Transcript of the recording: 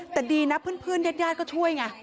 แต่ดีนะเพื่อนญาติก็ช่วยไง